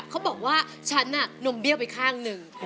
เขาบอกว่าฉันน่ะนมเบี้ยวไปข้างหนึ่ง